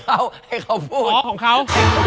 เดี๋ยวให้เขาพูดของเขา